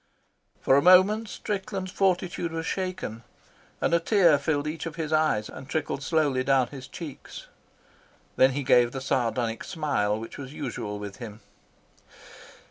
For a moment Strickland's fortitude was shaken, and a tear filled each of his eyes and trickled slowly down his cheeks. Then he gave the sardonic smile which was usual with him.